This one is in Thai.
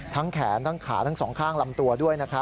แขนทั้งขาทั้งสองข้างลำตัวด้วย